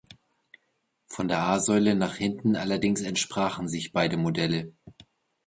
Von der A-Säule nach hinten allerdings entsprachen sich beide Modelle.